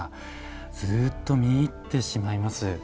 ずっと見入ってしまいます。